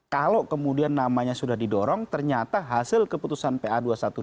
kalau kemudian namanya sudah didorong ternyata hasil keputusan pa dua ratus dua belas